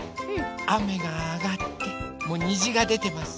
あめがあがってもうにじがでてます。